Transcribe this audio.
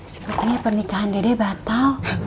sepertinya pernikahan dede batal